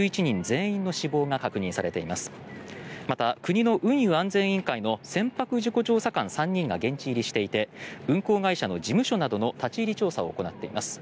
また、国の運輸安全委員会の先発事故調査官３人が現地入りしていて運航会社の事務所などの立ち入り調査を行っています。